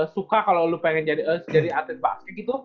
suka kalo lu pengen jadi atlet basket gitu